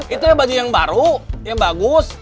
itu ya baju yang baru yang bagus